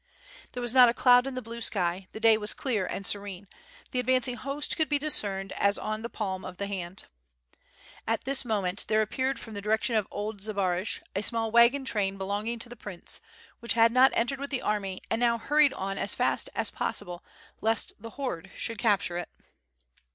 There was not a cloud in the blue sky, the day was clear and serene, the advancing host could be discerned as an the palm of the hand. At this moment there appeared from the direction of old Zbaraj a small wagon train belonging to the prince, which 694 WITH FIRE AND SWORD, had not entered with the army and now hurried on as fast as possible lest the horde should capture it.